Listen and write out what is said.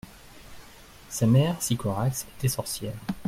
Sa mère, Sycorax, était sorcière.